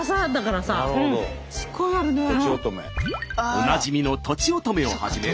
おなじみのとちおとめをはじめ